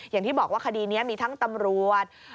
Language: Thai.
อย่างที่บอกว่าคดีนี้มีทั้งตำรวจ